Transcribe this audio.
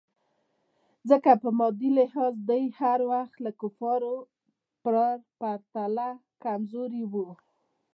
ځکه په مادي لحاظ دوی هر وخت د کفارو پرتله کمزوري وو.